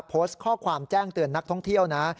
โพสต์ข้อความแจ้งเตือนนักท่องเที่ยวนะ